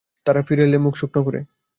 তারা ফিরে এল মুখ শুকনো করে।